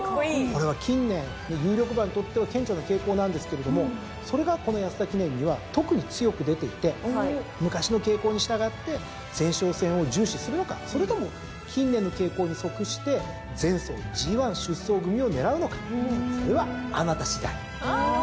これは近年有力馬にとっては顕著な傾向なんですけれどもそれがこの安田記念には特に強く出ていて昔の傾向に従って前哨戦を重視するのかそれとも近年の傾向に即して前走ＧⅠ出走組を狙うのかそれはあなたしだい！